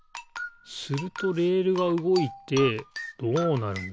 するとレールがうごいてどうなるんだ？